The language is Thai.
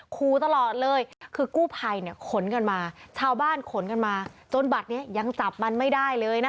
ครูตลอดเลยคือกู้ภัยเนี่ยขนกันมาชาวบ้านขนกันมาจนบัตรนี้ยังจับมันไม่ได้เลยนะคะ